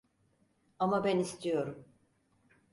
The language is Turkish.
Ama ben istiyorum…